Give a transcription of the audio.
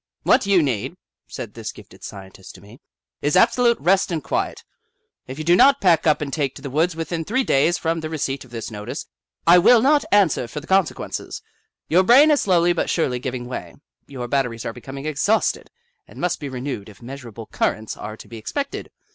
" What you need," said this gifted scientist to me, " is absolute rest and quiet. If you do not pack up and take to the woods within three days from the receipt of this notice, I will not answer for the consequences. Your brain is slowly but surely giving way. Your batteries are becoming exhausted and must be renewed if measurable currents are to be expected.